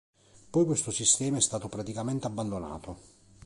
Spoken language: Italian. Poi questo sistema è stato praticamente abbandonato.